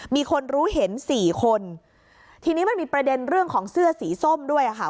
มีคนรู้เห็นสี่คนทีนี้มันมีประเด็นเรื่องของเสื้อสีส้มด้วยค่ะ